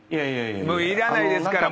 もういらないですから。